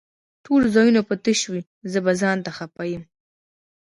ټول ځايونه به تش وي زه به ځانته خپه يم